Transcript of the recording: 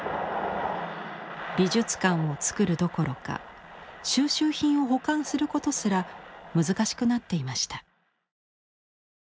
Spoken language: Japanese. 美術館をつくるどころか蒐集品を保管することすら難しくなっていました。